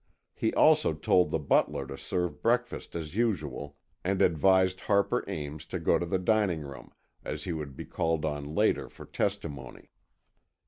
He also told the butler to serve breakfast as usual, and advised Harper Ames to go to the dining room, as he would be called on later for testimony.